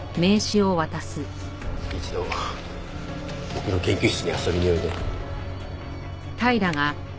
一度僕の研究室に遊びにおいで。